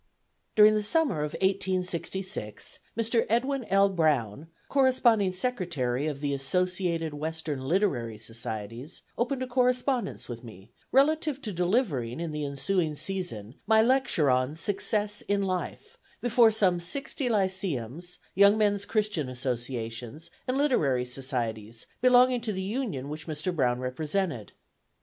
During the summer of 1866, Mr. Edwin L. Brown, Corresponding Secretary of the "Associated Western Literary Societies," opened a correspondence with me relative to delivering, in the ensuing season, my lecture on "Success in Life," before some sixty lyceums, Young Men's Christian Associations, and Literary Societies belonging to the union which Mr. Brown represented.